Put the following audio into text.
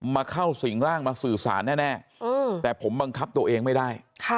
มาเข้าสิ่งร่างมาสื่อสารแน่แต่ผมบังคับตัวเองไม่ได้